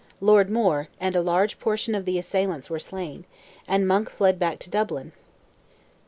Lord Moore, and a large portion of the assailants were slain, and Monk fled back to Dublin.